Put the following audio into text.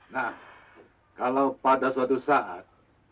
nah kalau pada suatu saat